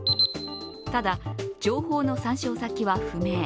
ただ情報の参照先は不明。